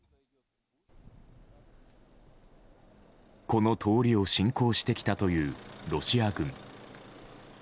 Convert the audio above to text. この通りを侵攻してきたというロシア軍。